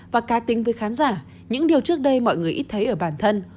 và cá tính với khán giả những điều trước đây mọi người ít thấy ở bản thân